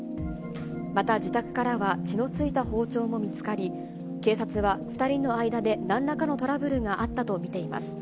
また自宅からは、血のついた包丁も見つかり、警察は２人の間でなんらかのトラブルがあったと見ています。